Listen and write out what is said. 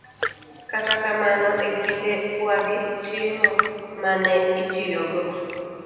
Kata kamano, e kindewagi, chiemo ma ne itiyogo